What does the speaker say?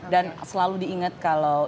dan selalu diingat kalau